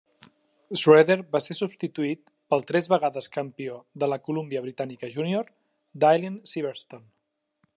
Schraeder va ser substituït pel tres vegades campió de la Columbia Britànica Junior, Dailene Sivertson.